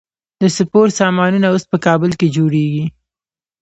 د سپورت سامانونه اوس په کابل کې جوړیږي.